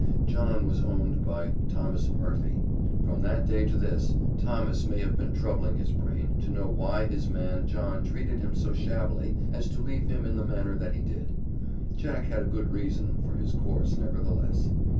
John was owned by Thomas Murphy. From that day to this, Thomas may have been troubling his brain to know why his man John treated him so shabbily as to leave him in the manner that he did. Jack had a good reason for his course, nevertheless.